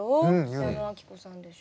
矢野顕子さんでしょ。